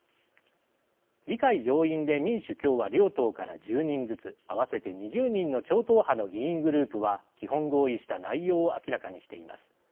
議会上院で民主・共和両党から１０人ずつ合わせて２０人の超党派の議員グループは基本合意した内容を明らかにしています。